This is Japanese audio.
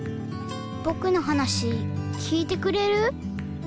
ぼくのはなしきいてくれる？